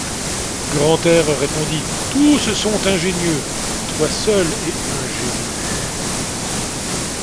Grantaire répondit: — Tous sont ingénieux, toi seul es ingénu.